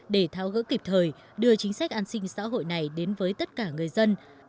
để tháo gỡ kịp thời đưa chính sách an sinh xã hội này đến với tất cả người dân